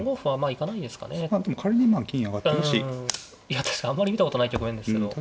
いや確かにあまり見たことない局面ですけど。